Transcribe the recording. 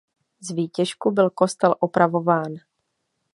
Z výtěžku byl kostel opravován.